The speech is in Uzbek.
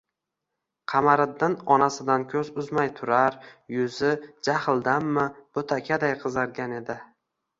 Qamariddin onasidan ko‘z uzmay turar, yuzi, jahldanmi, bo‘takaday qizargan edi